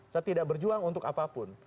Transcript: saya tidak berjuang untuk apapun